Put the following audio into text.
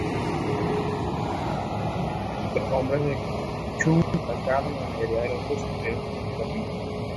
Los hombres de Kuchum atacaron y la mayoría de los rusos murieron mientras dormían.